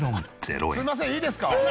すいませんいいですか？